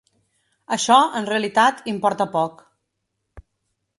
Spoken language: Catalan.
Això, en realitat, importa poc.